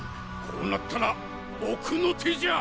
こうなったら奥の手じゃ！